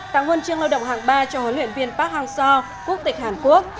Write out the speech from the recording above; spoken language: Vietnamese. tặng huân chương lao động hạng ba cho huấn luyện viên park hang seo quốc tịch hàn quốc